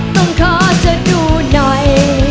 ต้องขอเธอดูหน่อย